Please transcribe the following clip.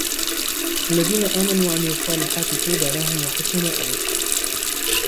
الذين آمنوا وعملوا الصالحات طوبى لهم وحسن مآب